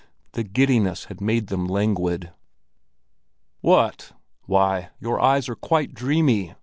The giddiness had made them languid. "Why, your eyes are quite dreamy!"